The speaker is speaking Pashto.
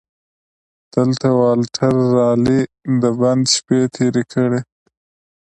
دلته والټر رالي د بند شپې تېرې کړې.